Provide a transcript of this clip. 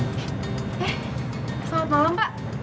eh selamat malam pak